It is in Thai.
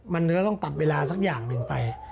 มันก็ต้องตัดเวลาสักอย่างหนึ่งไป